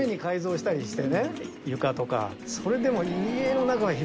それでも。